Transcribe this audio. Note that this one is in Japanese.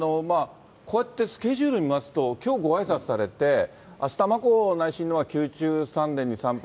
こうやってスケジュール見ますと、きょうごあいさつされて、あした、眞子内親王は宮中三殿に参拝。